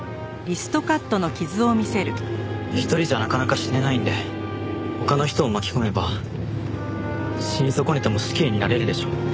一人じゃなかなか死ねないんで他の人を巻き込めば死に損ねても死刑になれるでしょう？